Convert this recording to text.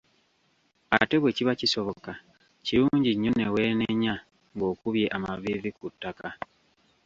Ate bwe kiba kisoboka, kirungi nnyo ne weenenya ng'okubye amaviivi ku ttaka.